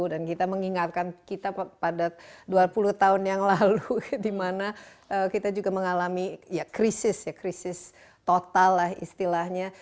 dan kita mengingatkan kita pada dua puluh tahun yang lalu dimana kita juga mengalami ya krisis ya krisis total lah istilahnya